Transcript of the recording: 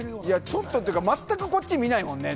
ちょっとっていうか全くこっち見ないもんね。